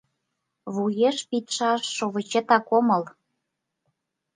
Вуеш пидшаш шовычетак омыл.